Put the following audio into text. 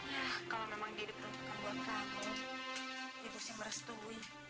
ya kalau memang dia diperuntukkan buat kamu itu sih merestui